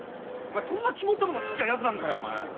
そんな肝っ玉のちっちゃいやつなんかよお前！